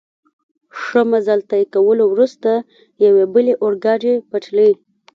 ښه مزل طی کولو وروسته، یوې بلې اورګاډي پټلۍ.